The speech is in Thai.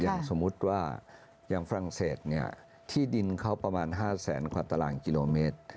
สมมุติว่าอย่างฝรั่งเศสเนี่ยที่ดินเขาประมาณ๕แสนกว่าตารางกิโลเมตร